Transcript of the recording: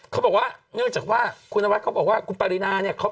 เขาบอกว่าเนื่องจากว่าคุณนวัดเขาบอกว่าคุณปรินาเนี่ย